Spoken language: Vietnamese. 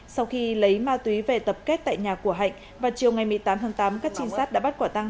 sau khi lấy ma túy về tập kết tại nhà của hạnh vào chiều ngày một mươi tám tháng tám các trinh sát đã bắt quả tăng